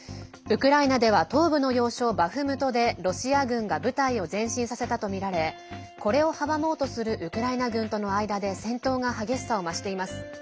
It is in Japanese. ウクライナでは東部の要衝バフムトでロシア軍が部隊を前進させたとみられこれを阻もうとするウクライナ軍との間で戦闘が激しさを増しています。